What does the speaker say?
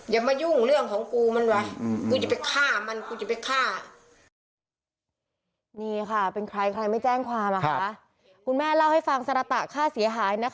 อย่ามายุ่งเรื่องของกูมันไว้